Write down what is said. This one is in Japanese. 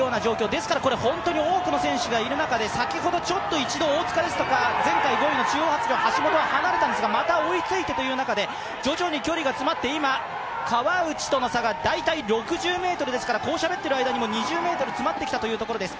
ですから、本当に多くの選手がいる中で先ほどちょっと大塚ですとか、前回初の選手が離れたんですが、また追いついてという中で、徐々に距離が詰まって、今、川内との差が大体６０ｍですから、こうしゃべっている間にも２０ｍ、詰まってきたというところです。